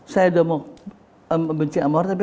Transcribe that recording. saya udah mau benci ama orang tapi